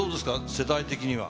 世代的には。